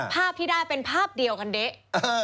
ภาพที่ได้เป็นภาพเดียวกันเด๊ะ